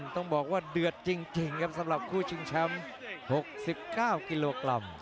ต้องบอกว่าเดือดจริงครับสำหรับคู่ชิงแชมป์๖๙กิโลกรัม